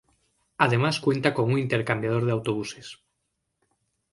Además cuenta con un intercambiador de autobuses.